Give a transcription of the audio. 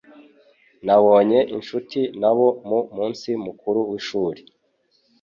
Yabonye inshuti nabo mu munsi mukuru w’ishuri.